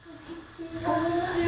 こんにちは。